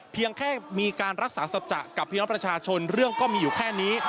เพียงแค่มีการรักษาสัจจะกับพี่น้องประชาชนเรื่องก็มีอยู่แค่นี้